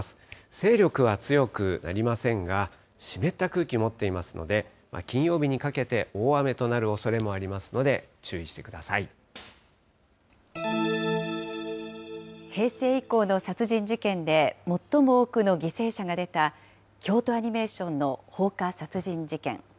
勢力は強くなりませんが、湿った空気持っていますので、金曜日にかけて大雨となるおそれもありま平成以降の殺人事件で、最も多くの犠牲者が出た京都アニメーションの放火殺人事件。